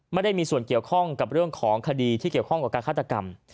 ไม่ได้มีส่วนเกี่ยวข้องกับเรื่องของคดีที่เกี่ยวข้องกับการฆาตกรรม